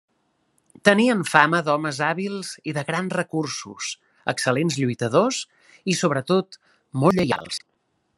Tenien fama d'homes hàbils i de grans recursos, excel·lents lluitadors i, sobretot, molt lleials.